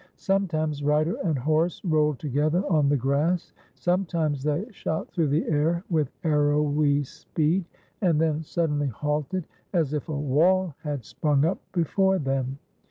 Sometimes rider and horse rolled together on the grass, sometimes they shot through the air with arrowy speed, and then suddenly halted as if a wall had sprung up before them.